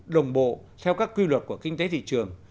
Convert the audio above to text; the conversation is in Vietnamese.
đồng bộ theo các quy luật của kinh tế thị trường